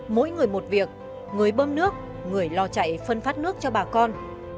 mỗi người một việc người bơm nước người lo chạy phân phát nước cho bà con